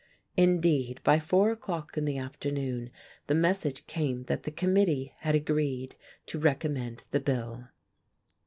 Indeed, by four o'clock in the afternoon the message came that the committee had agreed to recommend the bill.